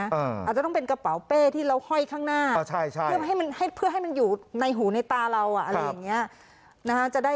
อาจจะต้องเป็นกระเป๋าเป้ที่เราห้อยข้างหน้าเพื่อให้มันอยู่ในหูในตาเรา